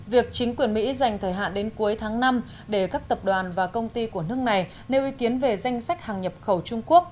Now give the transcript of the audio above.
việc chính quyền mỹ dành thời hạn đến cuối tháng năm để các tập đoàn và công ty của nước này nêu ý kiến về danh sách hàng nhập khẩu trung quốc